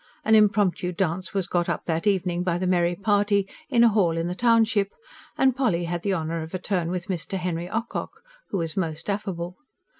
An impromptu dance was got up that evening by the merry party, in a hall in the township; and Polly had the honour of a turn with Mr. Henry Ocock, who was most affable.